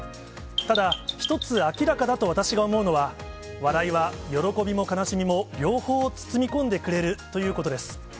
ただ、一つ明らかだと私が思うのは、笑いは喜びも悲しみも両方包み込んでくれるということです。